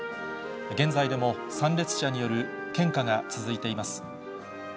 現在でも参列者による献花が続いています。